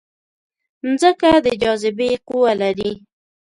مځکه د جاذبې قوه لري.